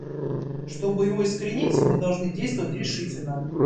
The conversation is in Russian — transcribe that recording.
Чтобы его искоренить, мы должны действовать решительно.